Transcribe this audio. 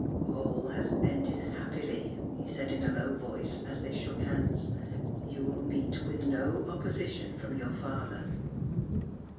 "All has ended happily," he said, in a low voice, as they shook hands. " You will meet with no opposition from your father."